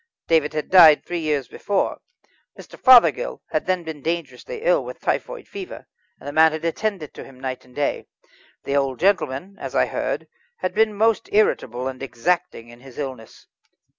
David had died three years before. Mr. Fothergill had then been dangerously ill with typhoid fever, and the man had attended to him night and day. The old gentleman, as I heard, had been most irritable and exacting in his illness.